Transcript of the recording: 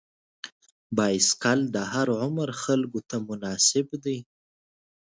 بایسکل د هر عمر خلکو ته مناسب دی.